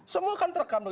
semua kan terekam